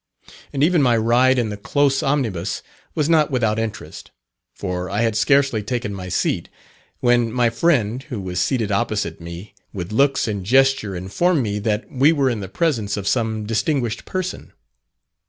And even my ride in the close omnibus was not without interest. For I had scarcely taken my seat, when my friend, who was seated opposite me, with looks and gesture informed me that we were in the presence of some distinguished person.